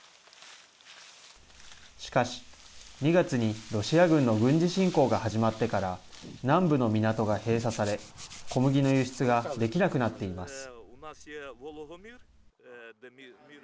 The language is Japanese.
しかし、２月にロシア軍の軍事侵攻が始まってから南部の港が封鎖され小麦の輸出ができなくなっています。